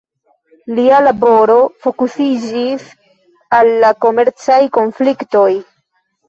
Lia laboro fokusiĝis al la komercaj konfliktoj.